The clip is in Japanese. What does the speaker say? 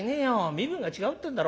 身分が違うってんだろ。